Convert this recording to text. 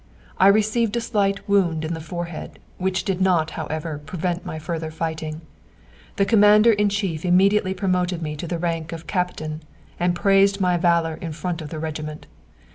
_I received a slight wound in the forehead, which did not, however, prevent my further fighting. The Commander in chief immediately promoted me to the rank of captain, and praised my valour in front of the regiment.